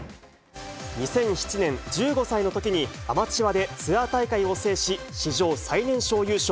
２００７年、１５歳のときに、アマチュアでツアー大会を制し、史上最年少優勝。